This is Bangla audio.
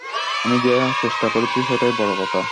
আমি যে চেষ্টা করেছি, সেইটাই বড় কথা।